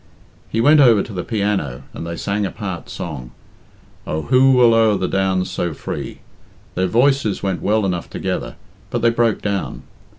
He went over to the piano and they sang a part song, "Oh, who will o'er the downs so free?" Their voices went well enough together, but they broke down.